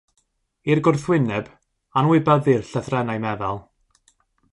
I'r gwrthwyneb, anwybyddir llythrennau meddal.